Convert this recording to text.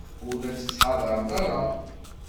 Ur la tettḥadareḍ ara.